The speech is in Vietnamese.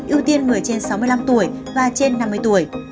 ưu tiên người trên sáu mươi năm tuổi và trên năm mươi tuổi